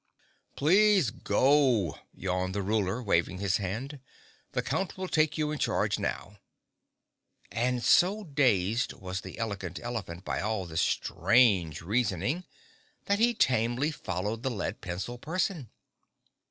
"Please go," yawned the Ruler, waving his hand. "The Count will take you in charge now." And so dazed was the Elegant Elephant by all this strange reasoning that he tamely followed the lead pencil person.